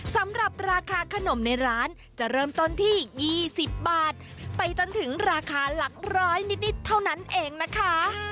สำหรับราคาขนมในร้านจะเริ่มต้นที่๒๐บาทไปจนถึงราคาหลักร้อยนิดเท่านั้นเองนะคะ